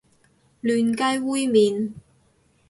嫩雞煨麵